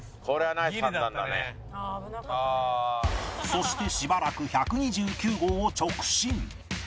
そしてしばらく１２９号を直進